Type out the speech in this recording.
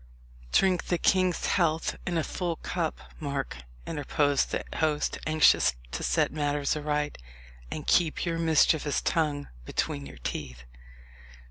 "Drink the king's health in a full cup, Mark," interposed the host, anxious to set matters aright, "and keep your mischievous tongue between your teeth."